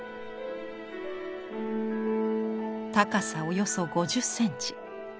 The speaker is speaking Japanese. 高さおよそ５０センチ。